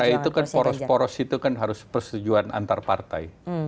partai itu kan poros poros itu kan harus persetujuan antar partai